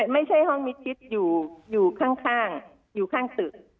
ไม่ใช่ห้องมิดชิดอยู่ข้างอยู่ข้างตึก